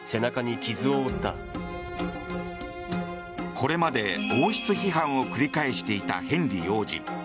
これまで王室批判を繰り返していたヘンリー王子。